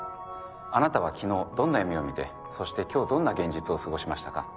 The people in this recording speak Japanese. あなたは昨日どんな夢を見てそして今日どんな現実を過ごしましたか？